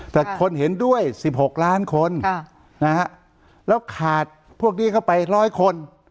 แต่คนเห็นด้วย๑๖ล้านคนแล้วขาดพวกนี้เข้าไปร้อยคน